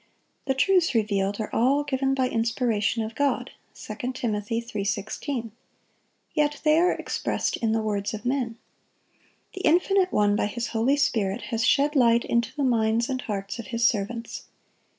The truths revealed are all "given by inspiration of God" (2 Tim. 3:16); yet they are expressed in the words of men. The Infinite One by His Holy Spirit has shed light into the minds and hearts of His servants.